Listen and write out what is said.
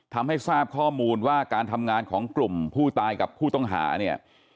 ทำให้ทราบข้อมูลว่าการทำงานของกลุ่มผู้ตายกับผู้ต้องหาเนี่ย